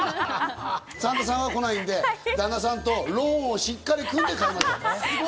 サンタさんは来ないんで、旦那さんとローンをしっかり組んで買いましょう。